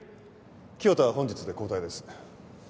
清田は本日で交代です。